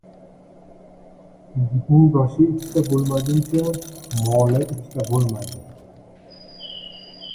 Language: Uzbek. Yigitning boshi ikkita bo‘lmagunicha, moli ikkita bo‘lmaydi!